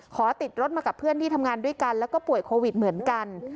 ขอติดรถมากับเพื่อนที่ทำงานด้วยกันแล้วก็ป่วยโควิดเหมือนกัน